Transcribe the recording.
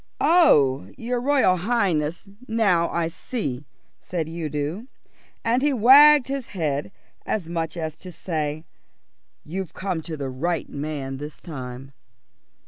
"Oh, your Royal Highness, now I see," said Udo, and he wagged his head as much as to say, "You've come to the right man this time."